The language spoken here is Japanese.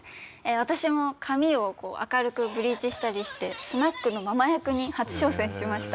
私も髪を明るくブリーチしたりしてスナックのママ役に初挑戦しました。